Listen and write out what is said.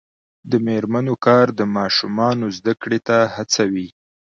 د میرمنو کار د ماشومانو زدکړې ته هڅوي.